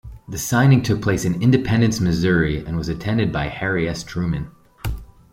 The signing took place in Independence, Missouri and was attended by Harry S. Truman.